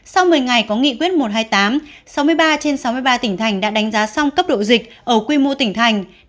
sau một mươi ngày có nghị quyết một trăm hai mươi tám sáu mươi ba trên sáu mươi ba tỉnh thành đã đánh giá xong cấp độ dịch ở quy mô tỉnh thành